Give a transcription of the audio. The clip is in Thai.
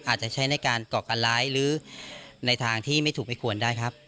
อาจจะใช้ในการเกาะการร้ายหรือในทางที่ไม่ถูกไม่ควรได้ครับ